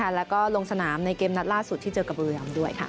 แล้วก็ลงสนามในเกมนัดล่าสุดที่เจอกับบุรีรำด้วยค่ะ